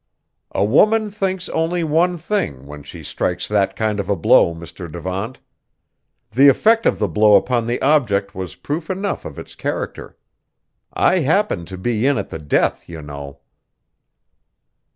"A woman thinks only one thing, when she strikes that kind of a blow, Mr. Devant. The effect of the blow upon the object was proof enough of its character. I happened to be in at the death, you know."